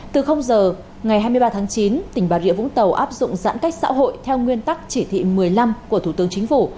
từ giờ ngày hai mươi ba tháng chín tỉnh bà rịa vũng tàu áp dụng giãn cách xã hội theo nguyên tắc chỉ thị một mươi năm của thủ tướng chính phủ